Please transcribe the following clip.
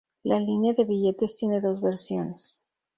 La línea de billetes tiene dos versiones.